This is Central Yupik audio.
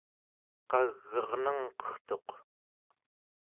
qag'ernengqertuq